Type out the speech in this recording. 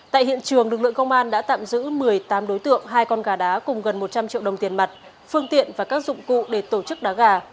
tại hiện trường lực lượng công an đã tạm giữ một mươi tám đối tượng hai con gà đá cùng gần một trăm linh triệu đồng tiền mặt phương tiện và các dụng cụ để tổ chức đá gà